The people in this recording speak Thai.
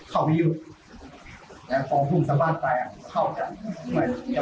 เขาไม่หยุดแล้วผมพึ่งสะบัดแปลงเข้าจัด